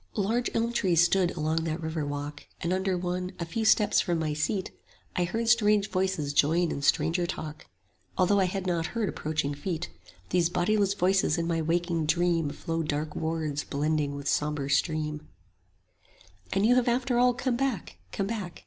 Large elm trees stood along that river walk; And under one, a few steps from my seat, I heard strange voices join in stranger talk, Although I had not heard approaching feet: 10 These bodiless voices in my waking dream Flowed dark words blending with sombre stream: And you have after all come back; come back.